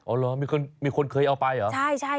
อ๋อเหรอมีคนเคยเอาไปเหรอ